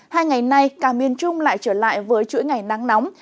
hai ngày nay cả miền trung lại trở lại với chuỗi ngày nắng nóng